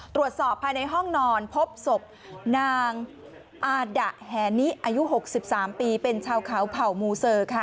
ตรวจสอบภายในห้องนอนพบสกนางอาหดะแหนนี้อายุ๑๖๑๓ปีเป็นเช่าเขาเผามูษ